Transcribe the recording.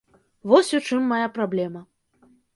Вось у чым мая праблема.